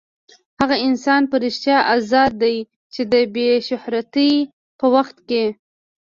هغه انسان په رښتیا ازاد دی چې د بې شهرتۍ په وخت کې.